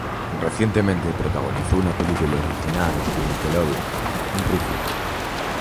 Recientemente protagonizó una película original de Nickelodeon, "Rufus".